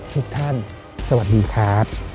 ทุกท่านสวัสดีครับ